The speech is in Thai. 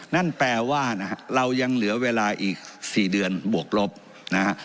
นั่นแปลว่านะฮะเรายังเหลือเวลาอีก๔เดือนบวกลบนะฮะ